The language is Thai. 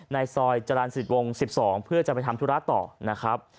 ในซอยจรรย์สนิทวงศ์๑๒เพื่อจะไปทำธุระต่อนะครับ